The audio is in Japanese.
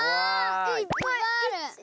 いっぱいある。